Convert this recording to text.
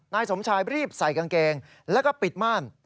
นายสมชายรีบใส่กางเกงแล้วก็ปิดม่าน